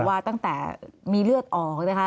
ว่าตั้งแต่มีเลือดออกนะคะ